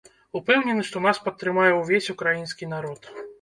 Упэўнены, што нас падтрымае ўвесь украінскі народ.